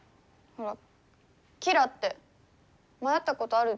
ほらキラって前会ったことあるでしょ？